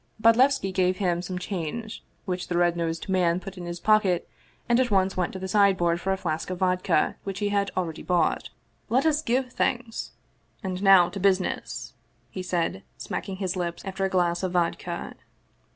Bodlevski gave him some change, which the red nosed man put in his pocket and at once went to the sideboard for a flask of vodka which he had already bought. " Let 189 Russian Mystery Stories us give thanks ! And now to business !" he said, smacking his lips after a glass of vodka.